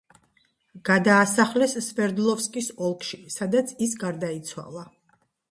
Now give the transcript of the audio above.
გადაასახლეს სვერდლოვსკის ოლქში, სადაც ის გარდაიცვალა.